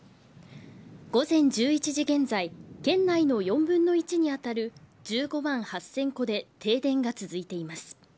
午前１１時現在県内の４分の１に当たる１５万８０００戸で停電が続いています。